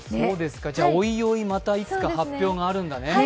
じゃ、おいおいまたいつか発表があるんだね。